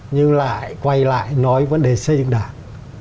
nhưng lại quay lại nói vấn đề xây dựng đảng